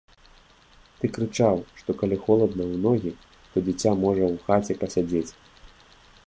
Ты крычаў, што калі холадна ў ногі, то дзіця можа ў хаце пасядзець?